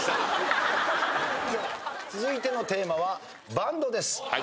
続いてのテーマはバンドです。